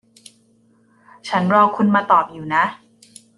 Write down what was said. ฉันรอคุณมาตอบอยู่นะ